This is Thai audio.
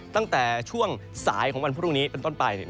ตั้งแต่ช่วงสายของวันพรุ่งนี้เป็นต้นไป